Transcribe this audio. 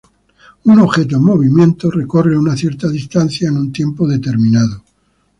Un objeto en movimiento recorre una cierta distancia en un tiempo determinado.